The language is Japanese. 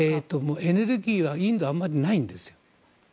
エネルギーはインドあんまりないんです。